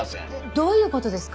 どういう事ですか？